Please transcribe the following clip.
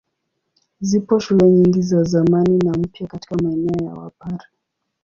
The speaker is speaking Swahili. Zipo shule nyingi za zamani na mpya katika maeneo ya Wapare.